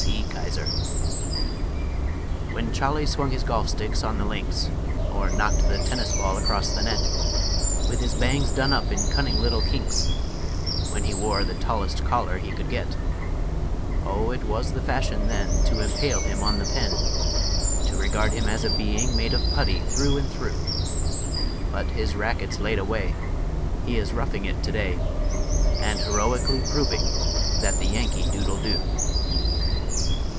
E. KISER When Cholly swung his golf stick on the links, Or knocked the tennis ball across the net, With his bangs done up in cunning little kinks When he wore the tallest collar he could get, Oh, it was the fashion then To impale him on the pen To regard him as a being made of putty through and through; But his racquet's laid away, He is roughing it to day, And heroically proving that the Yankee dude'll do.